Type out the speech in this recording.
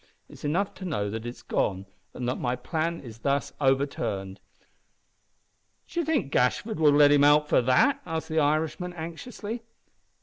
It's enough to know that it is gone, and that my plan is thus overturned." "D'ee think Gashford would let him out for that?" asked the Irishman, anxiously.